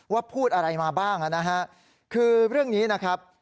พูดอะไรมาบ้างนะฮะคือเรื่องนี้นะครับ